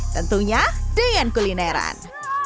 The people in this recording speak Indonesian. tentunya dengan kulineran